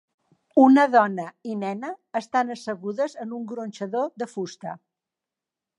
Una dona i nena estan assegudes en un gronxador de fusta